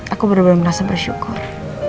aku bener bener merasa bersyukur